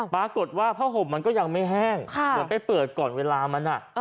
ปรากฏว่าผ้าห่มมันก็ยังไม่แห้งเหมือนไปเปิดก่อนเวลามัน